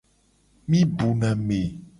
Mi bu na me.